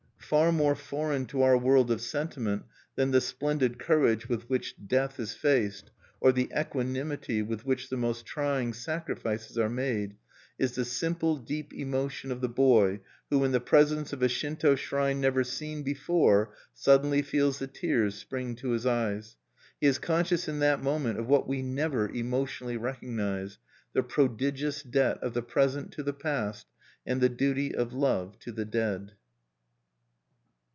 Far more foreign to our world of sentiment than the splendid courage with which death is faced, or the equanimity with which the most trying sacrifices are made, is the simple deep emotion of the boy who, in the presence of a Shinto shrine never seen before, suddenly feels the tears spring to his eyes. He is conscious in that moment of what we never emotionally recognize, the prodigious debt of the present to the past, and the duty of love to the dead.